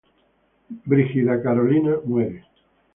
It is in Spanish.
Birgitta Carolina muere.